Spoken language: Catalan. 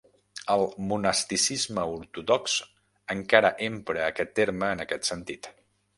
El monasticisme ortodox encara empra aquest terme en aquest sentit.